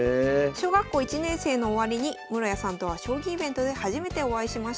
小学校１年生の終わりに室谷さんとは将棋イベントで初めてお会いしました。